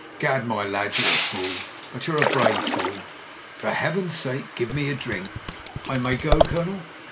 "Gad, my lad, you're a fool, but you're a brave fool ! For Heaven's sake, give me a drink." 'I may go, Colonel